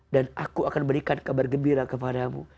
dan aku akan berikan kabar gembira kepadamu